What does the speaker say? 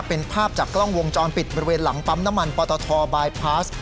เป็นภาพจากกล้องวงจรปิดบริเวณหลังปั๊มน้ำมันปตทบายพาส